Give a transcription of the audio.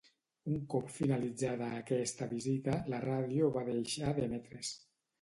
Un cop finalitzada aquesta visita, la ràdio va deixar d'emetre's.